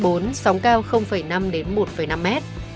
sóng cao năm một năm m